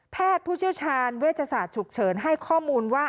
ผู้เชี่ยวชาญเวชศาสตร์ฉุกเฉินให้ข้อมูลว่า